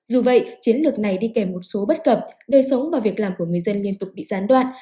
dù vậy chiến lược này đi kèm một số bất cập đời sống và việc làm của người dân liên tục bị gián đoạn